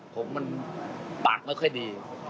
ผมมันปากไม่ค่อยดี